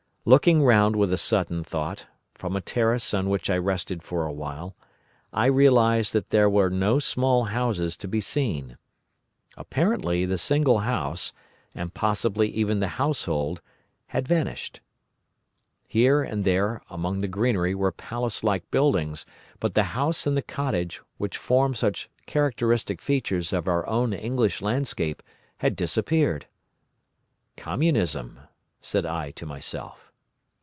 "Looking round, with a sudden thought, from a terrace on which I rested for a while, I realised that there were no small houses to be seen. Apparently the single house, and possibly even the household, had vanished. Here and there among the greenery were palace like buildings, but the house and the cottage, which form such characteristic features of our own English landscape, had disappeared. "'Communism,' said I to myself.